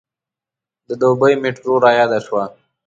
د دوبۍ میټرو رایاده شوه.